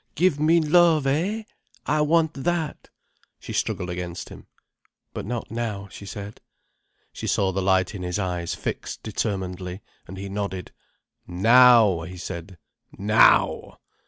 Give me love, eh? I want that." She struggled against him. "But not now," she said. She saw the light in his eyes fix determinedly, and he nodded. "Now!" he said. "Now!"